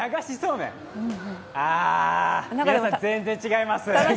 皆さん、全然違います。